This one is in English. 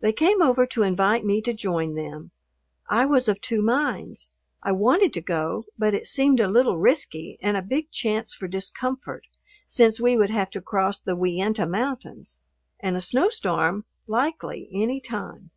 They came over to invite me to join them. I was of two minds I wanted to go, but it seemed a little risky and a big chance for discomfort, since we would have to cross the Uinta Mountains, and a snowstorm likely any time.